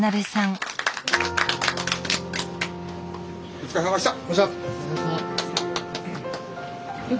お疲れさまでした！